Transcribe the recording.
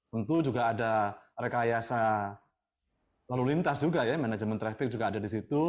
tentu juga ada rekayasa lalu lintas juga ya manajemen traffic juga ada di situ